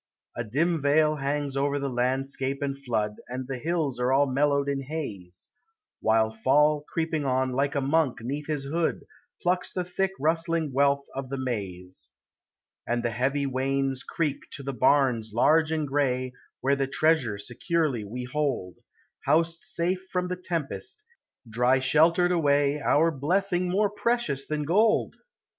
A dim veil hangs over the landscape and flood, And the hills are all mellowed in haze, While Fall, creeping on like a monk 'neath his hood, Plucks the thick rust lini> wealth of the maize. l & And the heavy wains creak to the barns large and gray, Where the treasure securely we hold, Housed safe from the tempest, dry sheltered away. Our blessing more precious than gold!